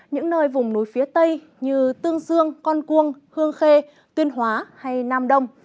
những nơi vùng núi phía tây như tương dương con cuông hương khê tuyên hóa hay nam đông